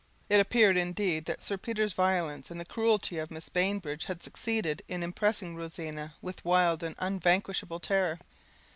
It appeared, indeed, that Sir Peter's violence, and the cruelty of Mrs. Bainbridge, had succeeded in impressing Rosina with wild and unvanquishable terror.